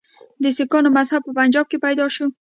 د سکانو مذهب په پنجاب کې پیدا شو.